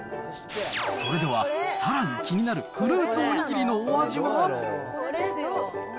それではさらに気になるフルーツおにぎりのお味は？